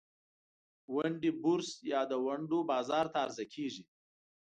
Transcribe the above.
ونډې بورس یا د ونډو بازار ته عرضه کیږي.